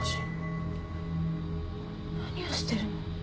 何をしてるの？